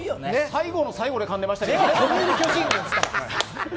最後の最後でかんでましたけどね。